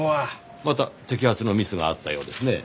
また摘発のミスがあったようですねぇ。